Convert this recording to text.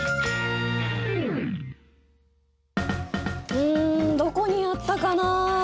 うんどこにやったかな？